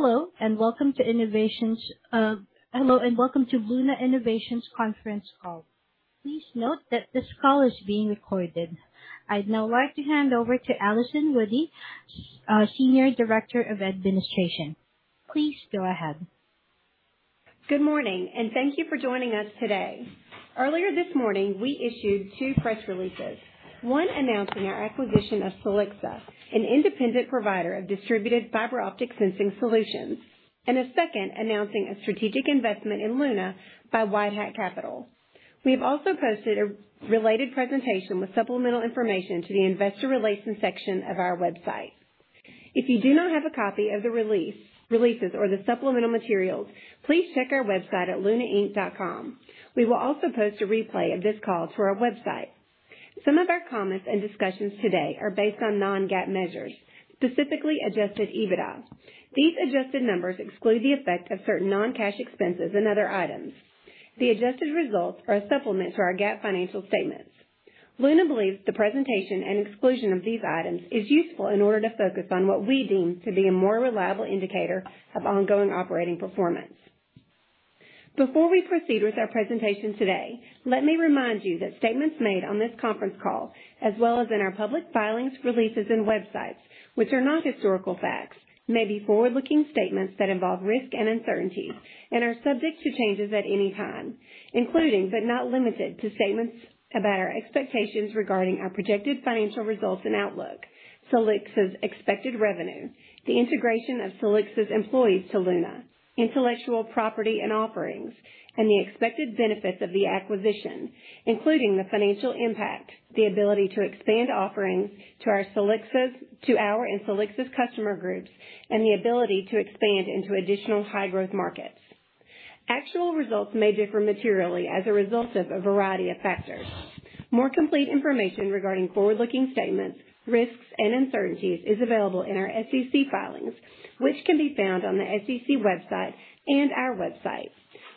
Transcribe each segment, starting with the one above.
Hello, and welcome to Innovations. Hello, and welcome to Luna Innovations conference call. Please note that this call is being recorded. I'd now like to hand over to Allison Woody, Senior Director of Administration. Please go ahead. Good morning, and thank you for joining us today. Earlier this morning, we issued two press releases. One announcing our acquisition of Silixa, an independent provider of distributed fiber optic sensing solutions, and a second announcing a strategic investment in Luna by White Hat Capital. We have also posted a related presentation with supplemental information to the investor relations section of our website. If you do not have a copy of the release, releases or the supplemental materials, please check our website at lunainnovations.com. We will also post a replay of this call to our website. Some of our comments and discussions today are based on non-GAAP measures, specifically adjusted EBITDA. These adjusted numbers exclude the effect of certain non-cash expenses and other items. The adjusted results are a supplement to our GAAP financial statements. Luna believes the presentation and exclusion of these items is useful in order to focus on what we deem to be a more reliable indicator of ongoing operating performance. Before we proceed with our presentation today, let me remind you that statements made on this conference call, as well as in our public filings, releases, and websites, which are not historical facts, may be forward-looking statements that involve risk and uncertainty and are subject to changes at any time, including but not limited to, statements about our expectations regarding our projected financial results and outlook, Silixa's expected revenue, the integration of Silixa's employees to Luna, intellectual property and offerings, and the expected benefits of the acquisition, including the financial impact, the ability to expand offerings to our Silixa's, to our and Silixa's customer groups, and the ability to expand into additional high-growth markets. Actual results may differ materially as a result of a variety of factors. More complete information regarding forward-looking statements, risks, and uncertainties is available in our SEC filings, which can be found on the SEC website and our website.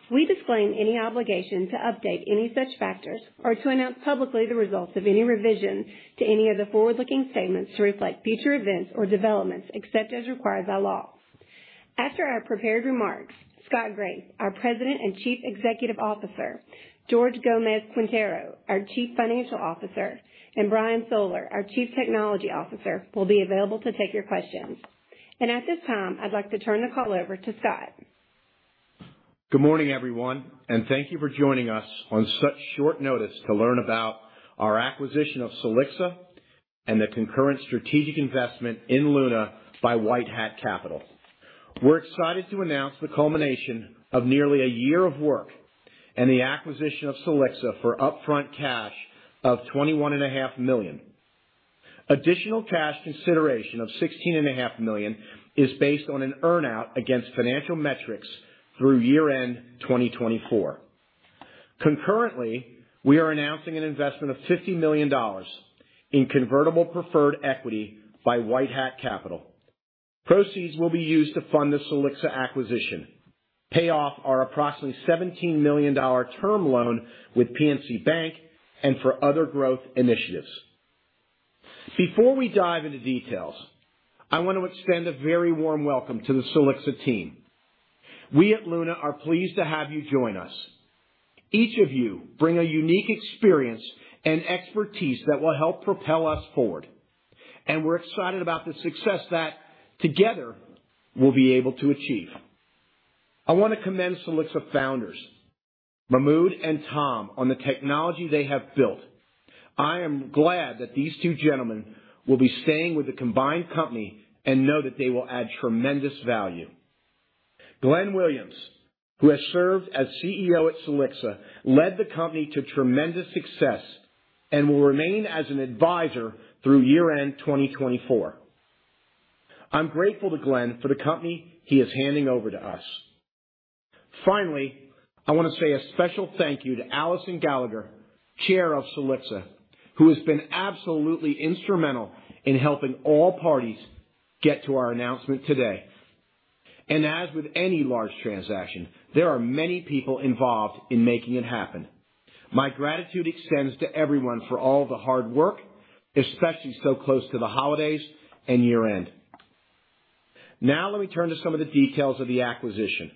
We disclaim any obligation to update any such factors or to announce publicly the results of any revision to any of the forward-looking statements to reflect future events or developments, except as required by law. After our prepared remarks, Scott Graeff, our President and Chief Executive Officer, George Gomez-Quintero, our Chief Financial Officer, and Brian Soller, our Chief Technology Officer, will be available to take your questions. At this time, I'd like to turn the call over to Scott. Good morning, everyone, and thank you for joining us on such short notice to learn about our acquisition of Silixa and the concurrent strategic investment in Luna by White Hat Capital. We're excited to announce the culmination of nearly a year of work and the acquisition of Silixa for upfront cash of $21.5 million. Additional cash consideration of $16.5 million is based on an earn-out against financial metrics through year-end 2024. Concurrently, we are announcing an investment of $50 million in convertible preferred equity by White Hat Capital. Proceeds will be used to fund the Silixa acquisition, pay off our approximately $17 million term loan with PNC Bank, and for other growth initiatives. Before we dive into details, I want to extend a very warm welcome to the Silixa team. We at Luna are pleased to have you join us. Each of you bring a unique experience and expertise that will help propel us forward, and we're excited about the success that together we'll be able to achieve. I want to commend Silixa founders, Mahmoud and Tom, on the technology they have built. I am glad that these two gentlemen will be staying with the combined company and know that they will add tremendous value. Glynn Williams, who has served as CEO at Silixa, led the company to tremendous success and will remain as an advisor through year-end 2024. I'm grateful to Glynn for the company he is handing over to us. Finally, I want to say a special thank you to Alison Goligher, Chair of Silixa, who has been absolutely instrumental in helping all parties get to our announcement today. As with any large transaction, there are many people involved in making it happen. My gratitude extends to everyone for all the hard work, especially so close to the holidays and year-end. Now, let me turn to some of the details of the acquisition.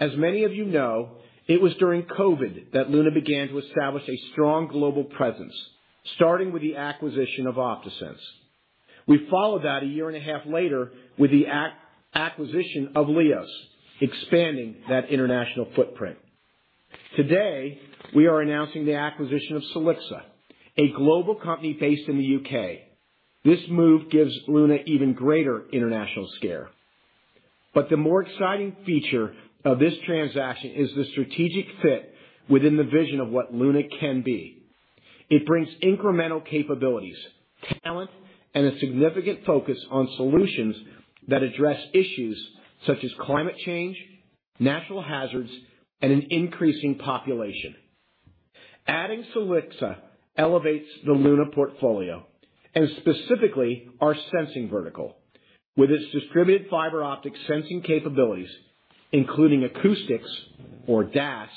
As many of you know, it was during COVID that Luna began to establish a strong global presence, starting with the acquisition of OptaSense. We followed that a year and a half later with the acquisition of LIOS, expanding that international footprint. Today, we are announcing the acquisition of Silixa, a global company based in the U.K.. This move gives Luna even greater international scale. But the more exciting feature of this transaction is the strategic fit within the vision of what Luna can be. It brings incremental capabilities, talent, and a significant focus on solutions that address issues such as climate change, natural hazards, and an increasing population. Adding Silixa elevates the Luna portfolio and specifically our sensing vertical. With its distributed fiber optic sensing capabilities, including acoustics or DAS,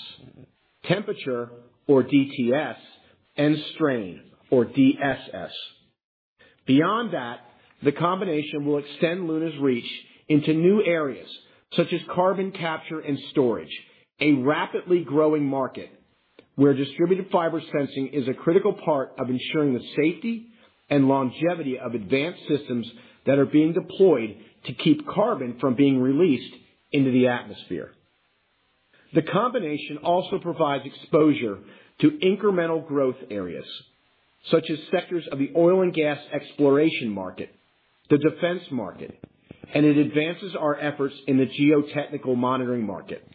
temperature or DTS, and strain or DSS. Beyond that, the combination will extend Luna's reach into new areas such as Carbon Capture and Storage, a rapidly growing market, where distributed fiber sensing is a critical part of ensuring the safety and longevity of advanced systems that are being deployed to keep carbon from being released into the atmosphere. The combination also provides exposure to incremental growth areas, such as sectors of the oil and gas exploration market, the defense market, and it advances our efforts in the geotechnical monitoring market.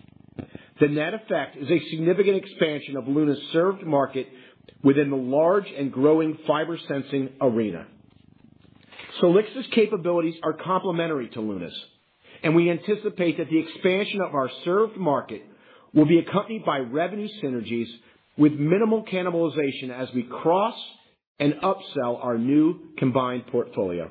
The net effect is a significant expansion of Luna's served market within the large and growing fiber sensing arena. Silixa's capabilities are complementary to Luna's, and we anticipate that the expansion of our served market will be accompanied by revenue synergies with minimal cannibalization as we cross and upsell our new combined portfolio.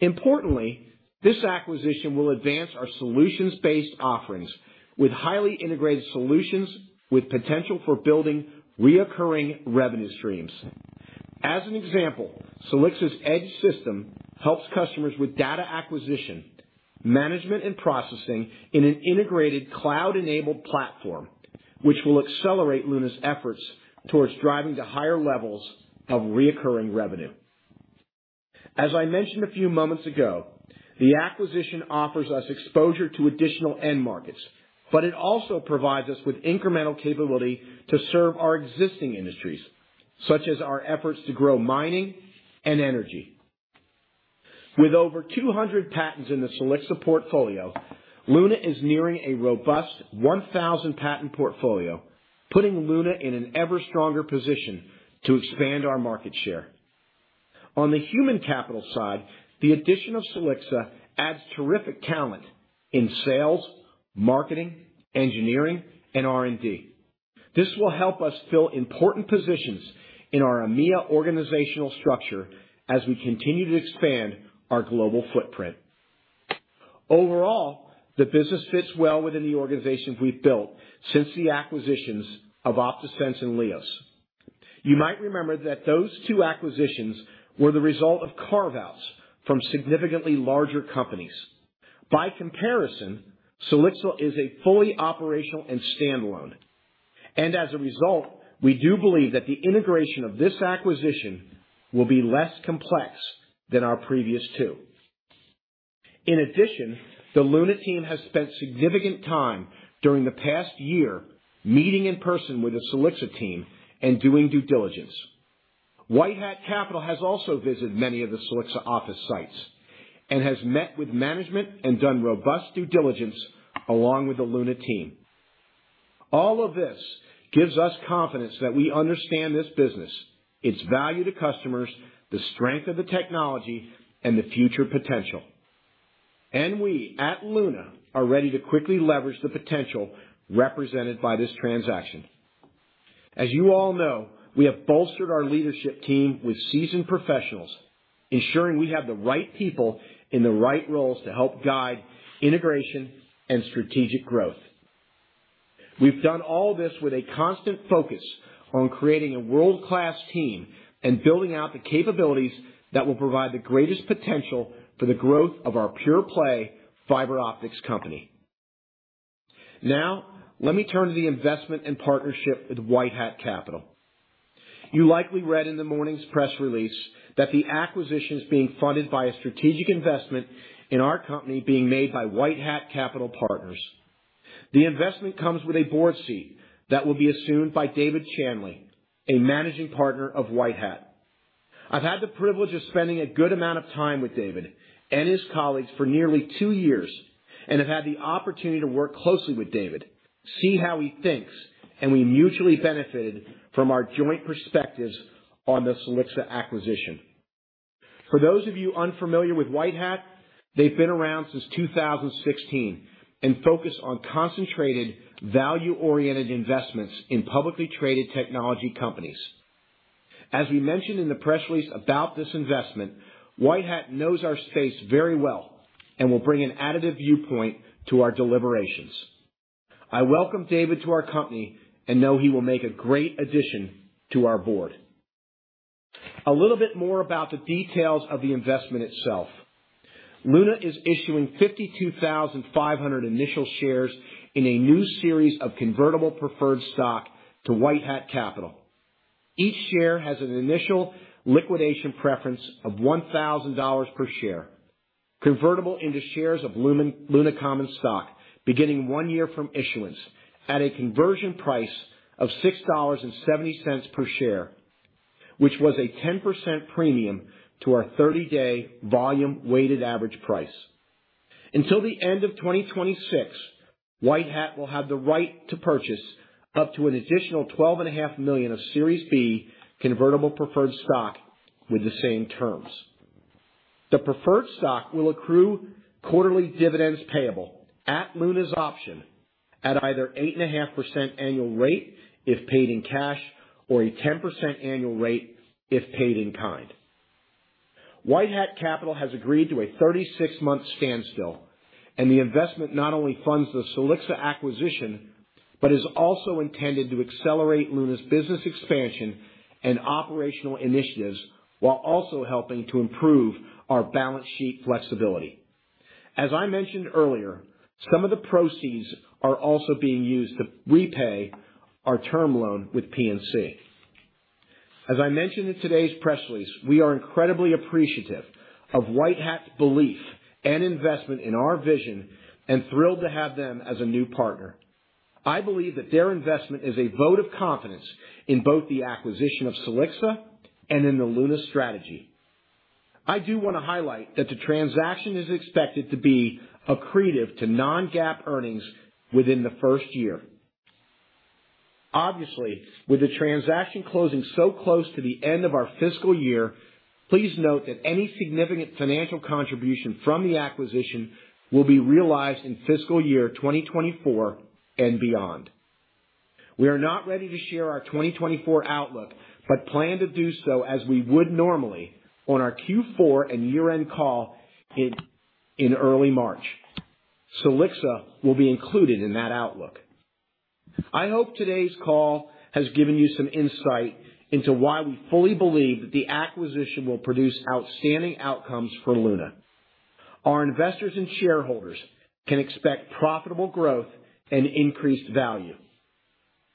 Importantly, this acquisition will advance our solutions-based offerings with highly integrated solutions with potential for building recurring revenue streams. As an example, Silixa's Edge system helps customers with data acquisition, management, and processing in an integrated cloud-enabled platform, which will accelerate Luna's efforts towards driving to higher levels of recurring revenue. As I mentioned a few moments ago, the acquisition offers us exposure to additional end markets, but it also provides us with incremental capability to serve our existing industries, such as our efforts to grow mining and energy. With over 200 patents in the Silixa portfolio, Luna is nearing a robust 1,000 patent portfolio, putting Luna in an ever stronger position to expand our market share. On the human capital side, the addition of Silixa adds terrific talent in sales, marketing, engineering, and R&D. This will help us fill important positions in our EMEA organizational structure as we continue to expand our global footprint. Overall, the business fits well within the organization we've built since the acquisitions of OptaSense and LIOS. You might remember that those two acquisitions were the result of carve-outs from significantly larger companies. By comparison, Silixa is a fully operational and standalone, and as a result, we do believe that the integration of this acquisition will be less complex than our previous two. In addition, the Luna team has spent significant time during the past year meeting in person with the Silixa team and doing due diligence. White Hat Capital has also visited many of the Silixa office sites and has met with management and done robust due diligence along with the Luna team. All of this gives us confidence that we understand this business, its value to customers, the strength of the technology, and the future potential. We at Luna are ready to quickly leverage the potential represented by this transaction. As you all know, we have bolstered our leadership team with seasoned professionals, ensuring we have the right people in the right roles to help guide integration and strategic growth. We've done all this with a constant focus on creating a world-class team and building out the capabilities that will provide the greatest potential for the growth of our pure play fiber optics company. Now, let me turn to the investment and partnership with White Hat Capital. You likely read in the morning's press release that the acquisition is being funded by a strategic investment in our company being made by White Hat Capital Partners. The investment comes with a board seat that will be assumed by David Chanley, a managing partner of White Hat. I've had the privilege of spending a good amount of time with David and his colleagues for nearly two years, and have had the opportunity to work closely with David, see how he thinks, and we mutually benefited from our joint perspectives on the Silixa acquisition. For those of you unfamiliar with White Hat, they've been around since 2016 and focus on concentrated, value-oriented investments in publicly traded technology companies. As we mentioned in the press release about this investment, White Hat knows our space very well and will bring an additive viewpoint to our deliberations. I welcome David to our company and know he will make a great addition to our board. A little bit more about the details of the investment itself. Luna is issuing 52,500 initial shares in a new series of convertible preferred stock to White Hat Capital. Each share has an initial liquidation preference of $1,000 per share, convertible into shares of Luna common stock, beginning one year from issuance at a conversion price of $6.70 per share, which was a 10% premium to our 30-day volume weighted average price. Until the end of 2026, White Hat will have the right to purchase up to an additional 12.5 million of Series B convertible preferred stock with the same terms. The preferred stock will accrue quarterly dividends payable at Luna's option at either 8.5% annual rate if paid in cash, or a 10% annual rate if paid in kind. White Hat Capital has agreed to a 36-month standstill, and the investment not only funds the Silixa acquisition, but is also intended to accelerate Luna's business expansion and operational initiatives, while also helping to improve our balance sheet flexibility. As I mentioned earlier, some of the proceeds are also being used to repay our term loan with PNC. As I mentioned in today's press release, we are incredibly appreciative of White Hat's belief and investment in our vision and thrilled to have them as a new partner. I believe that their investment is a vote of confidence in both the acquisition of Silixa and in the Luna strategy. I do want to highlight that the transaction is expected to be accretive to non-GAAP earnings within the first year. Obviously, with the transaction closing so close to the end of our fiscal year, please note that any significant financial contribution from the acquisition will be realized in fiscal year 2024 and beyond. We are not ready to share our 2024 outlook, but plan to do so as we would normally on our Q4 and year-end call in early March. Silixa will be included in that outlook. I hope today's call has given you some insight into why we fully believe that the acquisition will produce outstanding outcomes for Luna. Our investors and shareholders can expect profitable growth and increased value.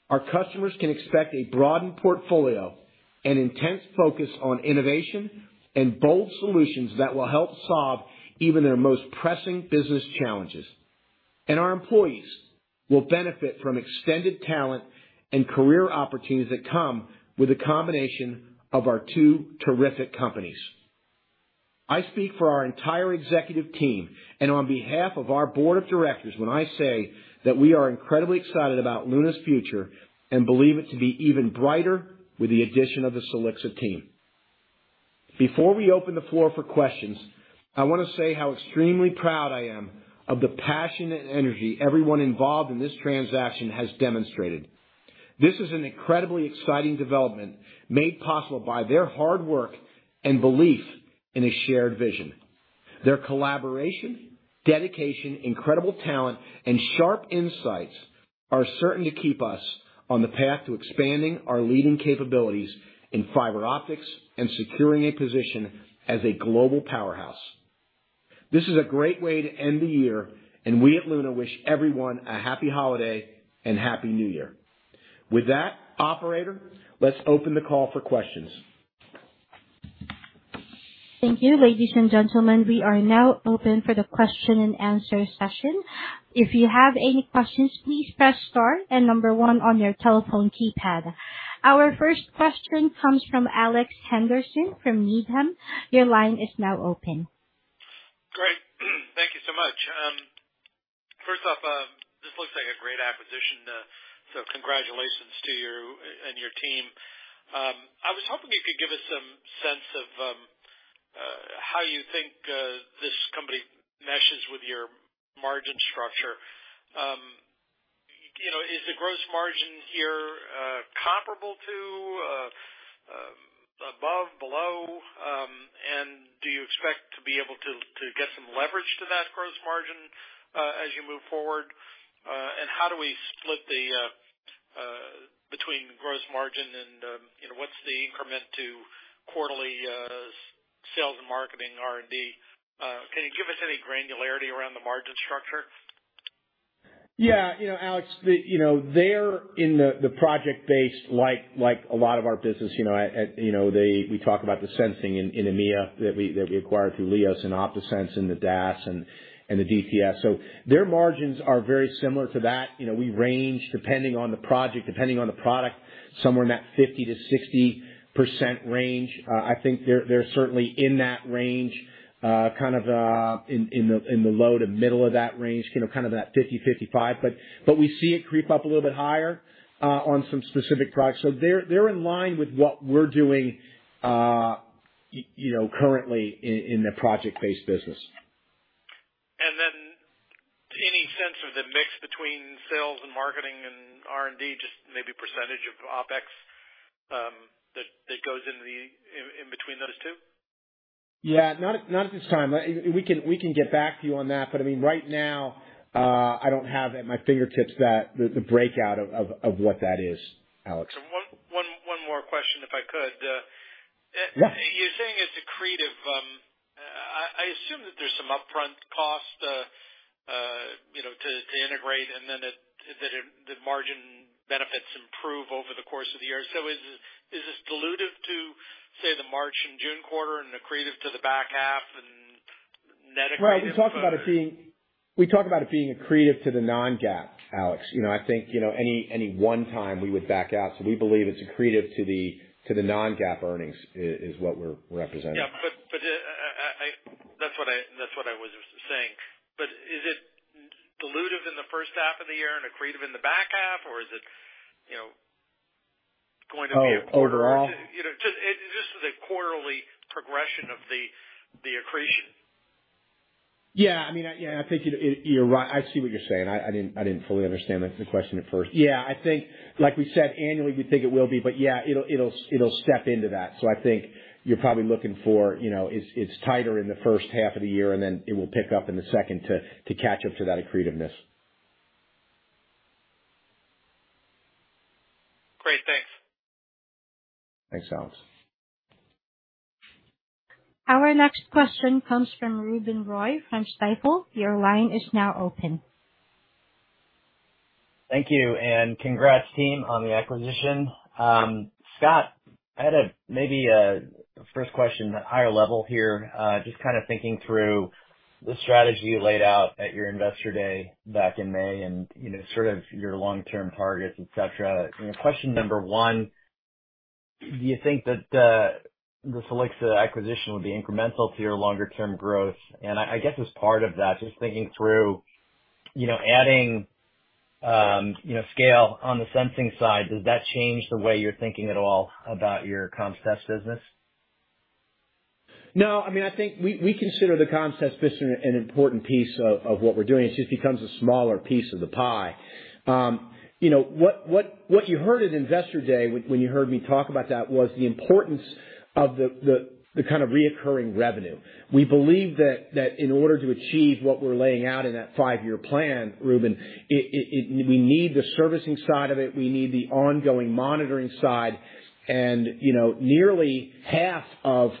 Our customers can expect a broadened portfolio, an intense focus on innovation, and bold solutions that will help solve even their most pressing business challenges. And our employees will benefit from extended talent and career opportunities that come with a combination of our two terrific companies. I speak for our entire executive team and on behalf of our board of directors when I say that we are incredibly excited about Luna's future and believe it to be even brighter with the addition of the Silixa team. Before we open the floor for questions, I want to say how extremely proud I am of the passion and energy everyone involved in this transaction has demonstrated. This is an incredibly exciting development, made possible by their hard work and belief in a shared vision. Their collaboration, dedication, incredible talent, and sharp insights are certain to keep us on the path to expanding our leading capabilities in fiber optics and securing a position as a global powerhouse. This is a great way to end the year, and we at Luna wish everyone a happy holiday and Happy New Year. With that, operator, let's open the call for questions. Thank you, ladies and gentlemen. We are now open for the question-and-answer session. If you have any questions, please press star and number one on your telephone keypad. Our first question comes from Alex Henderson from Needham. Your line is now open. Great, thank you so much. First off, this looks like a great acquisition. So congratulations to you and your team. I was hoping you could give us some sense of how you think this company meshes with your margin structure. You know, is the gross margin here comparable to, above, below? And do you expect to be able to get some leverage to that gross margin as you move forward? And how do we split the between gross margin and, you know, what's the increment to quarterly sales and marketing R&D? Can you give us any granularity around the margin structure? Yeah, you know, Alex, you know, they're in the project base, like a lot of our business, you know, at, you know, we talk about the sensing in EMEA that we acquired through LIOS and OptaSense and the DAS and the DTS. So their margins are very similar to that. You know, we range, depending on the project, depending on the product, somewhere in that 50%-60% range. I think they're certainly in that range, kind of in the low to middle of that range, you know, kind of that 50%, 55%. But we see it creep up a little bit higher on some specific products. So they're in line with what we're doing, you know, currently in the project-based business. And then any sense of the mix between sales and marketing and R&D, just maybe percentage of OpEx that goes into the in between those two? Yeah, not at this time. We can get back to you on that, but I mean, right now, I don't have at my fingertips that, the breakout of what that is, Alex. One more question, if I could. Yeah. You're saying it's accretive. I assume that there's some upfront costs, you know, to integrate and then it that it the margin benefits improve over the course of the year. So is this dilutive to, say, the March and June quarter, and accretive to the back half and net accretive or? Right. We talk about it being accretive to the non-GAAP, Alex. You know, I think, you know, any one time we would back out. So we believe it's accretive to the non-GAAP earnings, is what we're representing. Yeah. But that's what I was saying. But is it dilutive in the first half of the year and accretive in the back half, or is it, you know, going to be a quarter- Oh, overall? You know, just as a quarterly progression of the accretion.... Yeah, I mean, yeah, I think you're right. I see what you're saying. I didn't fully understand the question at first. Yeah, I think, like we said, annually, we think it will be, but yeah, it'll step into that. So I think you're probably looking for, you know, it's tighter in the first half of the year, and then it will pick up in the second to catch up to that accretiveness. Great. Thanks. Thanks, Alex. Our next question comes from Ruben Roy from Stifel. Your line is now open. Thank you, and congrats, team, on the acquisition. Scott, I had maybe a first question, higher level here. Just kind of thinking through the strategy you laid out at your Investor Day back in May and, you know, sort of your long-term targets, et cetera. You know, question number one: do you think that the Silixa acquisition will be incremental to your longer term growth? And I guess, as part of that, just thinking through, you know, adding, you know, scale on the sensing side, does that change the way you're thinking at all about your ComTest business? No, I mean, I think we consider the ComTest business an important piece of what we're doing. It just becomes a smaller piece of the pie. You know, what you heard at Investor Day when you heard me talk about that was the importance of the kind of recurring revenue. We believe that in order to achieve what we're laying out in that five-year plan, Ruben, we need the servicing side of it. We need the ongoing monitoring side, and you know, nearly half of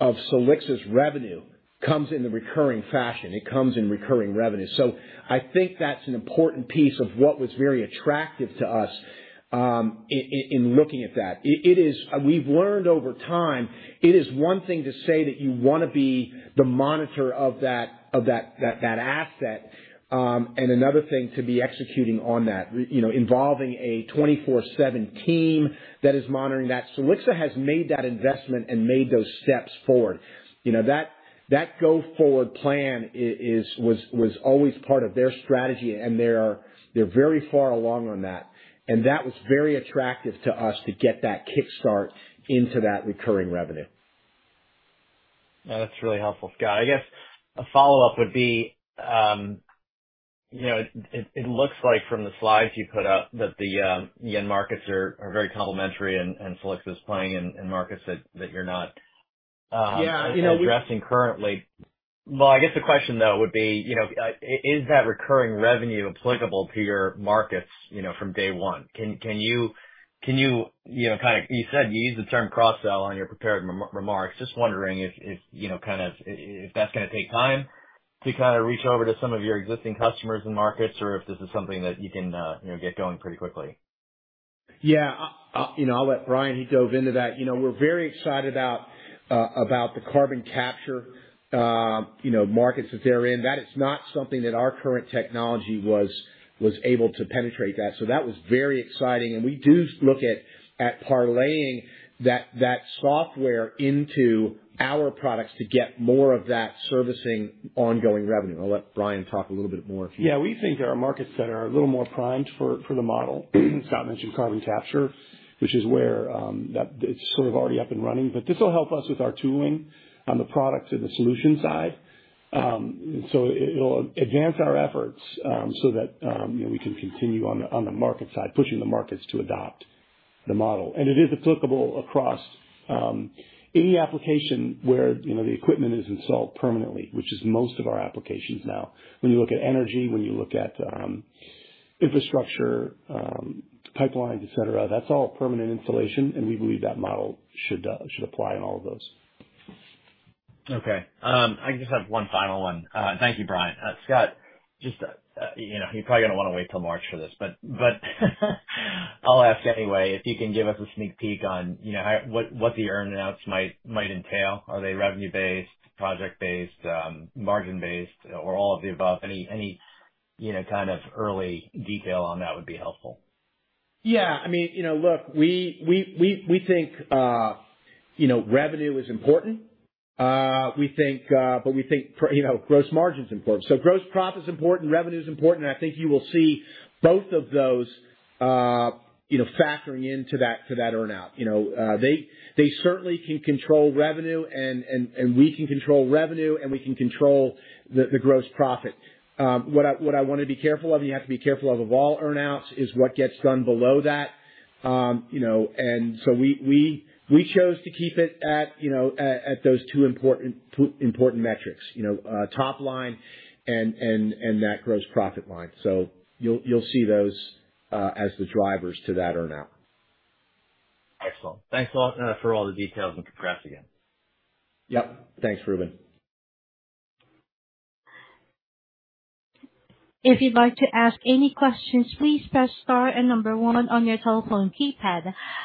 Silixa's revenue comes in the recurring fashion. It comes in recurring revenue. So I think that's an important piece of what was very attractive to us in looking at that. It is... We've learned over time, it is one thing to say that you want to be the monitor of that asset, and another thing to be executing on that. You know, involving a 24/7 team that is monitoring that. Silixa has made that investment and made those steps forward. You know, that go-forward plan was always part of their strategy, and they're very far along on that. And that was very attractive to us to get that kickstart into that recurring revenue. That's really helpful, Scott. I guess a follow-up would be, you know, it looks like from the slides you put out, that the end markets are very complementary and Silixa is playing in markets that you're not- Yeah, you know, we- Addressing currently. Well, I guess the question, though, would be, you know, is that recurring revenue applicable to your markets, you know, from day one? Can you, you know, kind of, you said you used the term cross-sell on your prepared remarks. Just wondering if, you know, kind of if that's gonna take time to kind of reach over to some of your existing customers and markets, or if this is something that you can, you know, get going pretty quickly? Yeah. You know, I'll let Brian, he dove into that. You know, we're very excited about about the carbon capture, you know, markets that they're in. That is not something that our current technology was able to penetrate that. So that was very exciting, and we do look at parlaying that software into our products to get more of that servicing ongoing revenue. I'll let Brian talk a little bit more if you- Yeah, we think there are markets that are a little more primed for the model. Scott mentioned carbon capture, which is where that it's sort of already up and running. But this will help us with our tooling on the product and the solution side. So it, it'll advance our efforts, so that you know, we can continue on the, on the market side, pushing the markets to adopt the model. And it is applicable across any application where you know, the equipment is installed permanently, which is most of our applications now. When you look at energy, when you look at infrastructure, pipelines, et cetera, that's all permanent installation, and we believe that model should apply in all of those. Okay. I just have one final one. Thank you, Brian. Scott, just, you know, you're probably gonna want to wait till March for this, but I'll ask anyway, if you can give us a sneak peek on, you know, how, what the earn outs might entail. Are they revenue-based, project-based, margin-based, or all of the above? Any, you know, kind of early detail on that would be helpful. Yeah, I mean, you know, look, we think, you know, revenue is important. We think, but we think you know, gross margin's important. So gross profit is important, revenue is important, and I think you will see both of those, you know, factoring into that earn-out. You know, they certainly can control revenue, and we can control revenue, and we can control the gross profit. What I want to be careful of, and you have to be careful of all earn-outs, is what gets done below that. You know, and so we chose to keep it at, you know, at those two important metrics, you know, top line and that gross profit line. You'll see those as the drivers to that earn-out. Excellent. Thanks a lot for all the details and congrats again. Yep, thanks, Ruben. If you'd like to ask any questions, please press star and number one on your telephone keypad.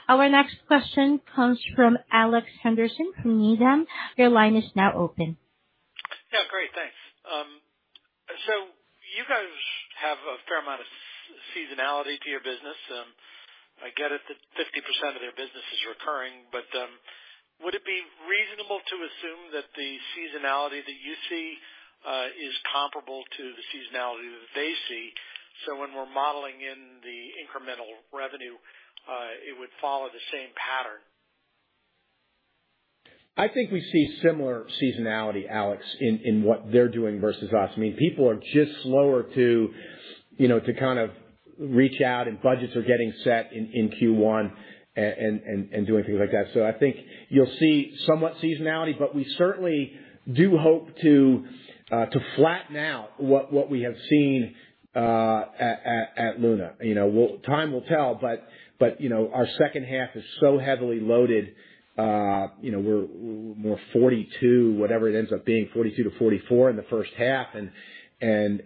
Our next question comes from Alex Henderson from Needham. Your line is now open. Yeah, great. Thanks. So you guys have a fair amount of seasonality to your business. I get it that 50% of your business is recurring, but would it be reasonable to assume that the seasonality that you see is comparable to the seasonality that they see? So when we're modeling in the incremental revenue, it would follow the same pattern?... I think we see similar seasonality, Alex, in what they're doing versus us. I mean, people are just slower to, you know, to kind of reach out and budgets are getting set in Q1 and doing things like that. So I think you'll see somewhat seasonality, but we certainly do hope to flatten out what we have seen at Luna. You know, time will tell, but you know, our second half is so heavily loaded. You know, we're 42%, whatever it ends up being, 42%-44% in the first half and then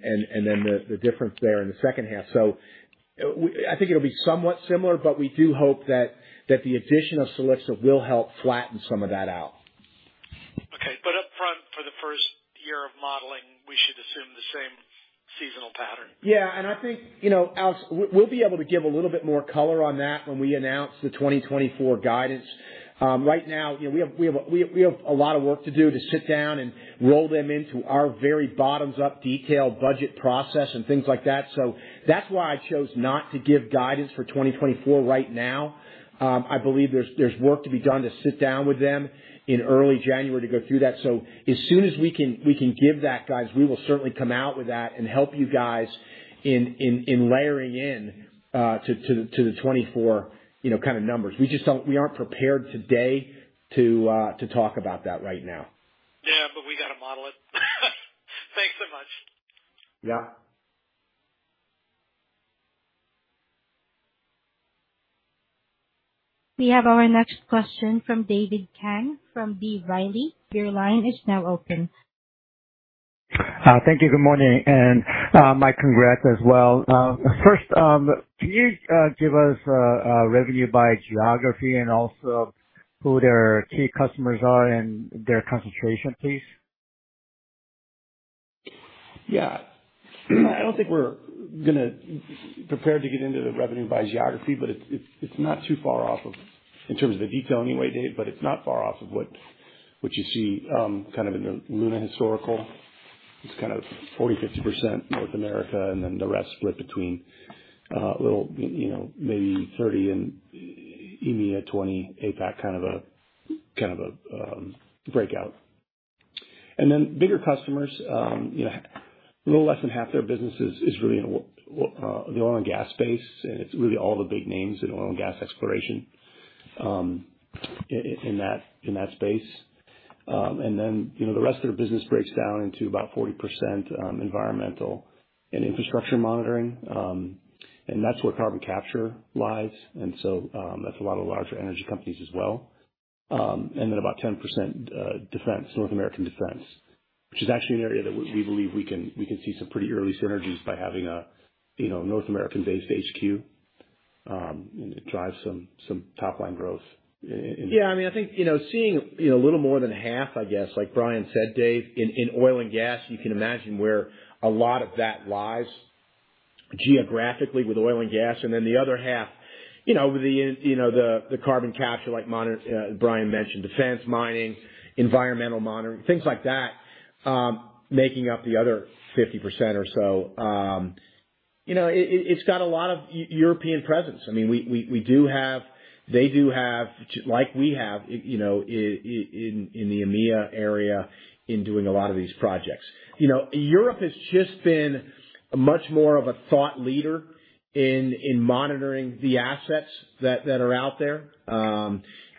the difference there in the second half. So I think it'll be somewhat similar, but we do hope that the addition of Silixa will help flatten some of that out. Okay. Upfront, for the first year of modeling, we should assume the same seasonal pattern? Yeah, and I think, you know, Alex, we'll be able to give a little bit more color on that when we announce the 2024 guidance. Right now, you know, we have a lot of work to do to sit down and roll them into our very bottoms up detailed budget process and things like that. So that's why I chose not to give guidance for 2024 right now. I believe there's work to be done to sit down with them in early January to go through that. So as soon as we can, we can give that guidance, we will certainly come out with that and help you guys in layering in to the 2024, you know, kind of numbers. We just don't. We aren't prepared today to talk about that right now. Yeah, but we got to model it. Thanks so much. Yeah. We have our next question from David Kang from B. Riley. Your line is now open. Thank you. Good morning, and my congrats as well. First, can you give us revenue by geography and also who their key customers are and their concentration, please? Yeah. I don't think we're gonna be prepared to get into the revenue by geography, but it's not too far off of, in terms of the detail anyway, Dave, but it's not far off of what you see kind of in the Luna historical. It's kind of 40%-50% North America, and then the rest split between, well, you know, maybe 30% in EMEA, 20% APAC, kind of a breakout. And then bigger customers, you know, a little less than half their business is really in the oil and gas space, and it's really all the big names in oil and gas exploration in that space. And then, you know, the rest of the business breaks down into about 40% environmental and infrastructure monitoring. And that's where carbon capture lies. And so, that's a lot of larger energy companies as well. And then about 10%, defense, North American defense, which is actually an area that we believe we can see some pretty early synergies by having a, you know, North American-based HQ, and drive some top-line growth in- Yeah, I mean, I think, you know, seeing, you know, a little more than half, I guess, like Brian said, Dave, in oil and gas, you know, imagine where a lot of that lies geographically with oil and gas. And then the other half, you know, the carbon capture, like Brian mentioned, defense, mining, environmental monitoring, things like that, making up the other 50% or so. You know, it, it's got a lot of European presence. I mean, we do have. They do have, like we have, you know, in the EMEA area, in doing a lot of these projects. You know, Europe has just been much more of a thought leader in monitoring the assets that are out there.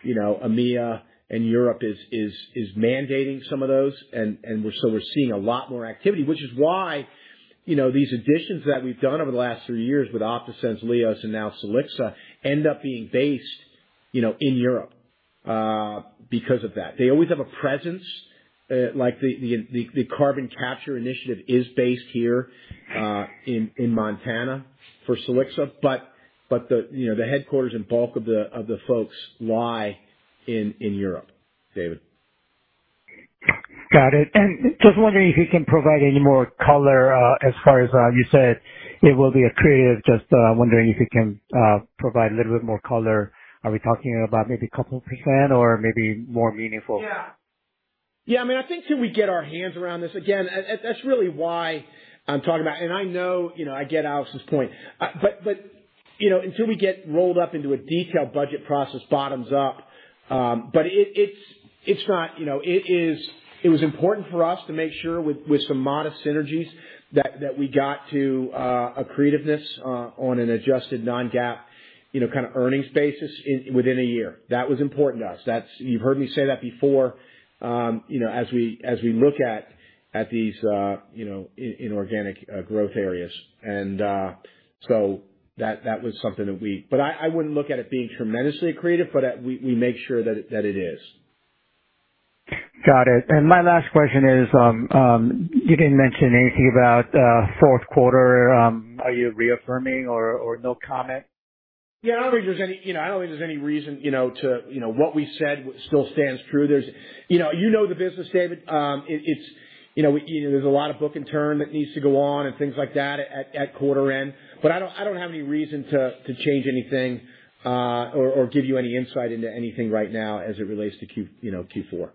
You know, EMEA and Europe is mandating some of those, and we're -- so we're seeing a lot more activity, which is why, you know, these additions that we've done over the last three years with OptaSense, LIOS, and now Silixa, end up being based, you know, in Europe, because of that. They always have a presence, like the carbon capture initiative is based here, in Montana for Silixa. But the, you know, the headquarters and bulk of the folks lie in Europe, David. Got it. And just wondering if you can provide any more color, as far as you said it will be accretive. Just wondering if you can provide a little bit more color. Are we talking about maybe a couple percent or maybe more meaningful? Yeah. Yeah, I mean, I think till we get our hands around this... Again, that, that's really why I'm talking about it. And I know, you know, I get Alex's point, but, but, you know, until we get rolled up into a detailed budget process, bottoms up. But it, it's, it's not, you know, it is, it was important for us to make sure, with, with some modest synergies, that, that we got to accretiveness on an adjusted non-GAAP, you know, kind of earnings basis within a year. That was important to us. That's, you've heard me say that before. You know, as we, as we look at, at these, you know, inorganic growth areas. And so that, that was something that we... But I wouldn't look at it being tremendously accretive, but we make sure that it is. Got it. And my last question is, you didn't mention anything about, fourth quarter. Are you reaffirming or, or no comment? Yeah, I don't think there's any, you know, I don't think there's any reason, you know, to, you know, what we said still stands true. There's, you know, you know the business, David. It's, you know, there's a lot of book and turn that needs to go on and things like that at quarter end, but I don't have any reason to change anything, or give you any insight into anything right now as it relates to Q, you know, Q4.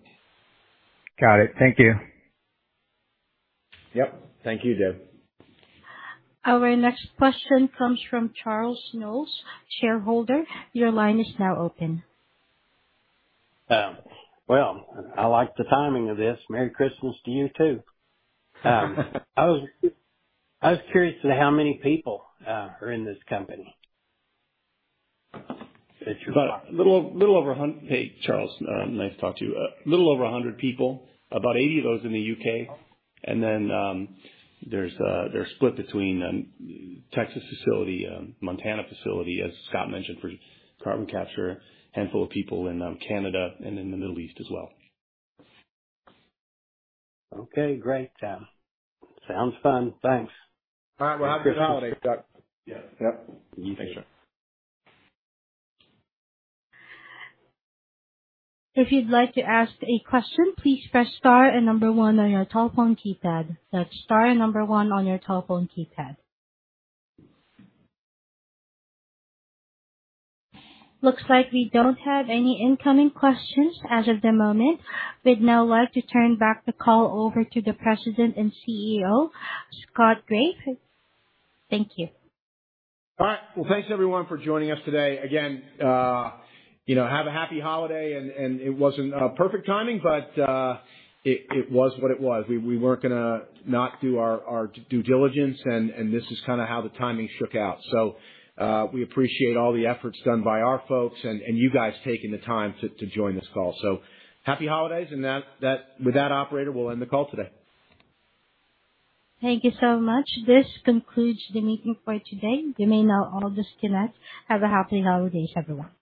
Got it. Thank you. Yep. Thank you, Dave. Our next question comes from Charles Knowles, shareholder. Your line is now open. Well, I like the timing of this. Merry Christmas to you, too. I was curious to know how many people are in this company? Hey, Charles, nice to talk to you. A little over 100 people, about 80 of those in the U.K.. And then, there's, they're split between Texas facility, Montana facility, as Scott mentioned, for carbon capture, handful of people in Canada and in the Middle East as well. Okay, great. Sounds fun. Thanks. All right. Well, happy holidays, Charles. Yeah. Yep. Thanks, Charles. If you'd like to ask a question, please press star and number one on your telephone keypad. That's star and number one on your telephone keypad. Looks like we don't have any incoming questions as of the moment. We'd now like to turn back the call over to the President and CEO, Scott Graeff. Thank you. All right. Well, thanks, everyone, for joining us today. Again, you know, have a happy holiday, and it wasn't perfect timing, but it was what it was. We weren't gonna not do our due diligence, and this is kind of how the timing shook out. So, we appreciate all the efforts done by our folks and you guys taking the time to join this call. So happy holidays, and with that operator, we'll end the call today. Thank you so much. This concludes the meeting for today. You may now all disconnect. Have a happy holidays, everyone.